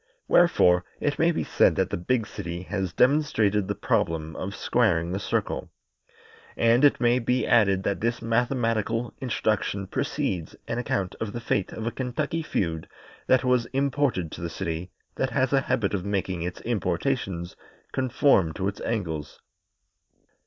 Wherefore, it may be said that the big city has demonstrated the problem of squaring the circle. And it may be added that this mathematical introduction precedes an account of the fate of a Kentucky feud that was imported to the city that has a habit of making its importations conform to its angles.